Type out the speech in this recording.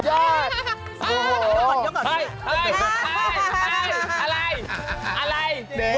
ฮุยอะไรอะไร